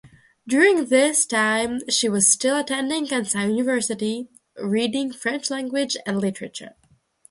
During this time she was still attending Kansai University, reading French language and literature.